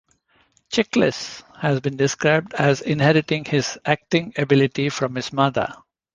Chiklis has been described as inheriting his acting ability from his mother.